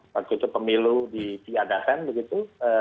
waktu itu pemilu di tiadasan begitu